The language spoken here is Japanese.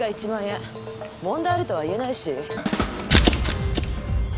問題あるとは言えないし。